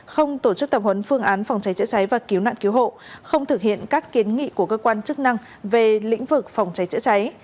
không tổ chức tập huấn phương án phòng cháy chữa cháy và cứu nạn cứu hộ không thực hiện các kiến nghị của cơ quan chức năng về lĩnh vực phòng cháy chữa cháy